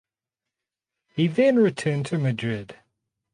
He then returned to Madrid.